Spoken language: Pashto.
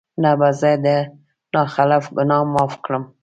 نه به زه د نا خلف ګناه معاف کړم